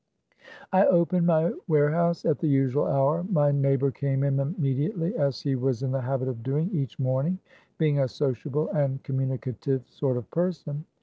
I opened my warehouse at the usual hour. My neighbor came in immediately, as he was in 144 THE CAB AVAN. the habit of doing each morning, being a sociable and communicative sort of person.